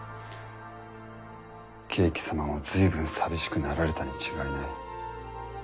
慶喜様も随分寂しくなられたに違いない。